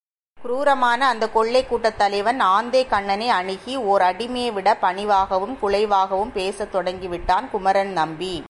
குரூரமான அந்தக் கொள்ளைக் கூட்டத் தலைவன் ஆந்தைக்கண்ணனை அணுகி ஓர் அடிமையைவிடப் பணிவாகவும் குழைவாகவும் பேசத் தொடங்கிவிட்டான் குமரன்நம்பி.